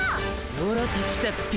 オラたちだっピィ。